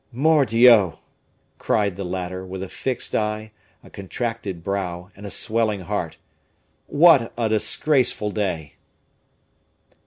"Mordioux!" cried the latter, with a fixed eye, a contracted brow, and a swelling heart "What a disgraceful day!"